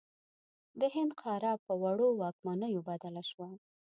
د هند قاره په وړو واکمنیو بدله شوه.